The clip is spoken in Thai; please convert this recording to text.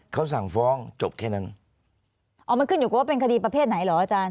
เขาสั่งฟ้องจบแค่นั้นอ๋อมันขึ้นอยู่กับว่าเป็นคดีประเภทไหนเหรออาจารย์